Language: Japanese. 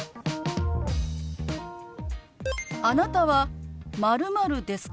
あなたは○○ですか？